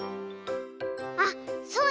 あっそうだ！